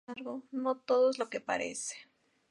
Sin embargo, no todo es lo que parece.